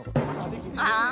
ああ。